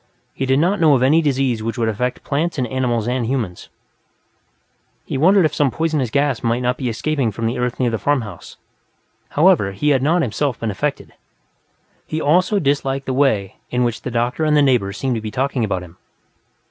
He did not know of any disease which would affect plants and animals and humans; he wondered if some poisonous gas might not be escaping from the earth near the farmhouse. However, he had not, himself, been affected. He also disliked the way in which the doctor and the neighbors seemed to be talking about him.